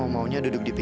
enggak ada di situ